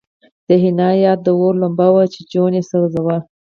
د حنا یاد د اور لمبه وه چې جون یې سوځاوه